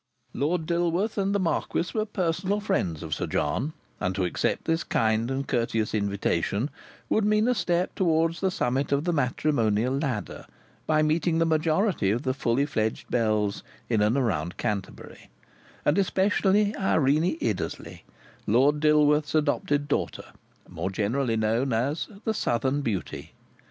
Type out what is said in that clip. Lord Dilworth and the Marquis were personal friends of Sir John, and to accept this kind and courteous invitation would mean a step towards the summit of the matrimonial ladder, by meeting the majority of the fully fledged belles in and around Canterbury, and especially Irene Iddesleigh, Lord Dilworth's adopted daughter, more generally known as "The Southern Beauty."